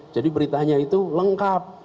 jadi beritanya itu lengkap